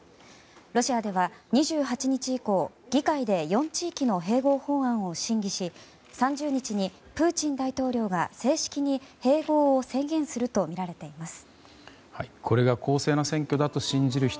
ロシアでは２８日以降議会で４地域の併合法案を審議し３０日にプーチン大統領が正式に併合を宣言するとみられています。